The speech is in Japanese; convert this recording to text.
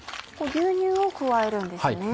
牛乳を加えるんですね。